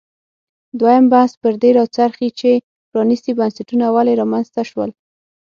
دویم بحث پر دې راڅرخي چې پرانیستي بنسټونه ولې رامنځته شول.